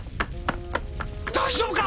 大丈夫か？